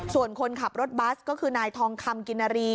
ส่วนคนขับรถบัสก็คือนายทองคำกินนารี